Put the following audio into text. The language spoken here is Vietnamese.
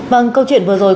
vâng câu chuyện vừa rồi